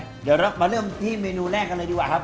เดี๋ยวเรามาเริ่มที่เมนูแรกกันเลยดีกว่าครับ